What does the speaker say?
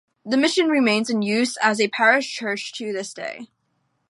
The mission remains in use as a parish church to this day.